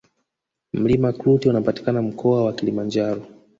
mlima klute unapatikana mkoa wa kilimanjaro